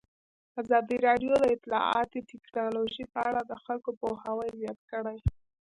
ازادي راډیو د اطلاعاتی تکنالوژي په اړه د خلکو پوهاوی زیات کړی.